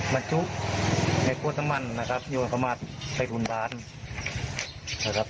ในไตรฐรมัณณนะครับโดดสลัดไปหลุ่นบานนะครับ